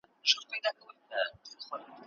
انا په ډېرې اندېښنې سره د ماشوم مخ ته وکتل.